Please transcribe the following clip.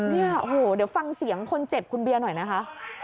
เนี่ยโอ้โหเดี๋ยวฟังเสียงคนเจ็บคุณเบียร์หน่อยนะคะ